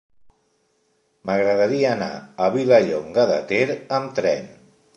M'agradaria anar a Vilallonga de Ter amb tren.